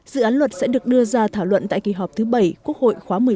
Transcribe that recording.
dự án luật sẽ được đưa ra thảo luận tại kỳ họp thứ bảy quốc hội khóa một mươi bốn